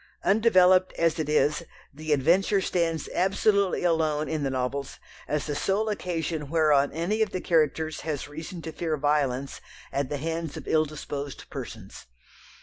Undeveloped as it is, the adventure stands absolutely alone in the novels as the sole occasion whereon any of the characters has reason to fear violence at the hands of ill disposed persons.